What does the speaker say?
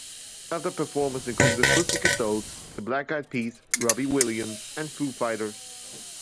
Other performers included Pussycat Dolls, The Black Eyed Peas, Robbie Williams and Foo Fighters.